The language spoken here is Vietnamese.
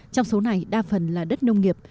trong số này đa phần là đất nông nghiệp